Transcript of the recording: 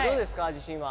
自信は。